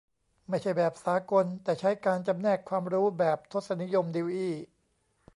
ไม่ใช่แบบสากล แต่ใช้การจำแนกความรู้แบบทศนิยมดิวอี้ ?